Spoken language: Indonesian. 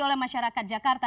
oleh masyarakat jakarta